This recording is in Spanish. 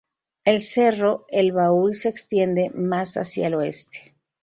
El Cerro El Baúl se extiende más hacia el oeste.